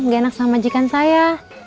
gak enak sama majikan saya